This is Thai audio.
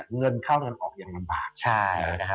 เข้าแล้วออกอย่างลำบาก